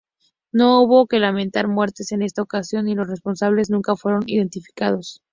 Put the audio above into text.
No hubo que lamentar muertes en esta ocasión y los responsables nunca fueron identificados.